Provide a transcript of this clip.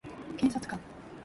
検察官